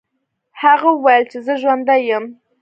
هغه وویل چې زه ژوندی یم.